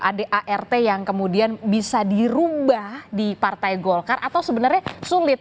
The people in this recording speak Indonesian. adart yang kemudian bisa dirubah di partai golkar atau sebenarnya sulit